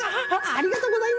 ありがとうございます！